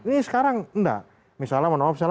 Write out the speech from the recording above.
ini sekarang enggak misalnya